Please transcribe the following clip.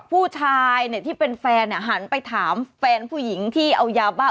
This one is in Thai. ผู้ชายที่เป็นแฟนหันไปถามแฟนผู้หญิงที่เอายาบ้า